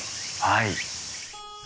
はい。